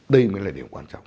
đây mới là điều quan trọng